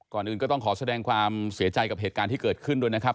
ก่อนอื่นก็ต้องขอแสดงความเสียใจกับเหตุการณ์ที่เกิดขึ้นด้วยนะครับ